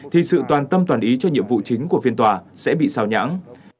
thì sự toàn tâm toàn ý cho nhiệm vụ chính của phiên tòa sẽ bị sao nhãng